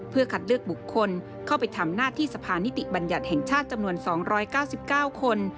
เพื่อคัดเลือกบุคคลเข้าไปทำหน้าที่สภานิติบัญญัติแห่งชาติจำนวน๒๙๙คน